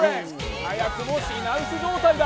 早くも品薄状態だ。